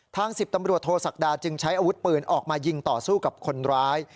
๑๐ตำรวจโทษศักดาจึงใช้อาวุธปืนออกมายิงต่อสู้กับคนร้าย